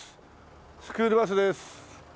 スクールバスです。